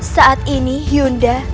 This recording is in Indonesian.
saat ini yunda